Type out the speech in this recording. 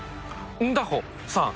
ンダホさん。